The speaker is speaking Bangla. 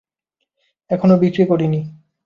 এখনো বিক্রি করিনি।